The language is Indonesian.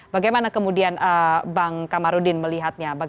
bagaimana kemudian bang kamarudin melihatnya